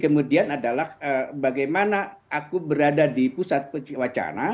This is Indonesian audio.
kemudian adalah bagaimana aku berada di pusat wacana